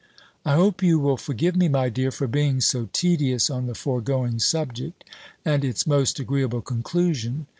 I hope you will forgive me, my dear, for being so tedious on the foregoing subject, and its most agreeable conclusion.